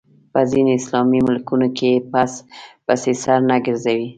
په ځینو اسلامي ملکونو کې پسې سر نه ګرځوي